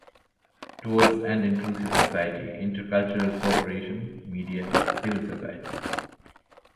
Towards and Inclusive Society: Intercultural Cooperation; Media; Civil Society.